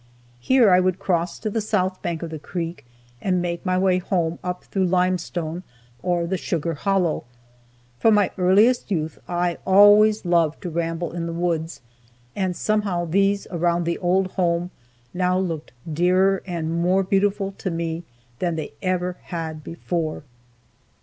Here I would cross to the south bank of the creek and make my way home up through Limestone, or the Sugar Hollow. From my earliest youth I always loved to ramble in the woods, and somehow these around the old home now looked dearer and more beautiful to me than they ever had before.